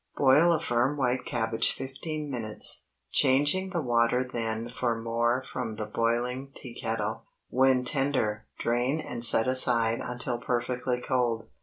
✠ Boil a firm white cabbage fifteen minutes, changing the water then for more from the boiling tea kettle. When tender, drain and set aside until perfectly cold.